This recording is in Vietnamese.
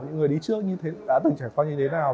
như thế đã từng trải qua như thế nào